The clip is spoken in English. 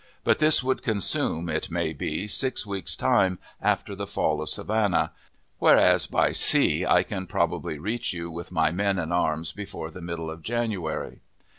But this would consume, it may be, six weeks' time after the fall of Savannah; whereas, by sea, I can probably reach you with my men and arms before the middle of January.